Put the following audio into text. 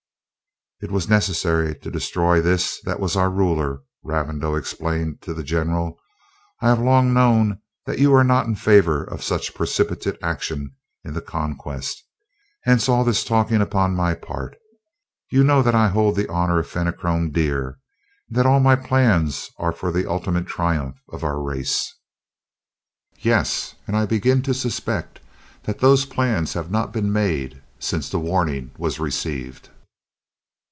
"It was necessary to destroy this that was our ruler," Ravindau explained to the general. "I have long known that you are not in favor of such precipitate action in the Conquest: hence all this talking upon my part. You know that I hold the honor of Fenachrone dear, and that all my plans are for the ultimate triumph of our race?" "Yes, and I begin to suspect that those plans have not been made since the warning was received."